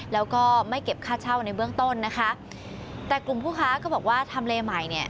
แล้วก็ไม่เก็บค่าเช่าในเบื้องต้นนะคะแต่กลุ่มผู้ค้าก็บอกว่าทำเลใหม่เนี่ย